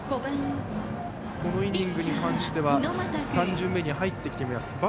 このイニングに関しては３巡目に入ってきています。